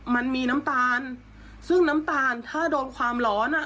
มันมีน้ำตาลซึ่งน้ำตาลถ้าโดนความร้อนอ่ะ